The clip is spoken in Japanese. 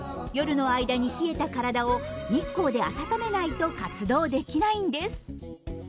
夜の間に冷えた体を日光で温めないと活動できないんです。